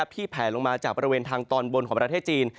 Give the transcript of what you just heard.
แผลลงมาจากบริเวณทางตอนบนของประเทศจีน